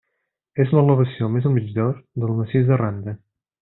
És l'elevació més al migjorn del massís de Randa.